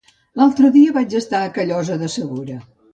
L'altre dia vaig estar a Callosa de Segura.